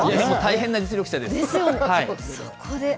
大変な実力者です。